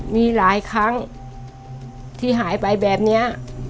มีหลายครั้งที่หายไปแบบนี้